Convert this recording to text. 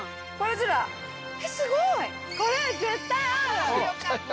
すごい！よかった。